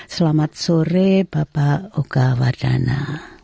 selamat sore bapak okawardana